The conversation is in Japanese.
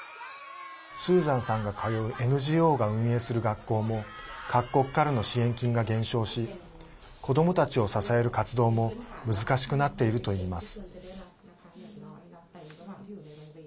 スーザンさんが通うＮＧＯが運営する学校も各国からの支援金が減少し子どもたちを支える活動も難しくなっているといいます。